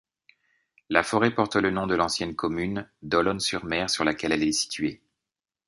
La forêt porte le nom de l'ancienne commune d'Olonne-sur-Mer sur laquelle elle est située.